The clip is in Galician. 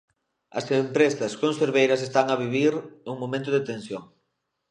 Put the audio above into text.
As empresas conserveiras están a vivir un momento de tensión.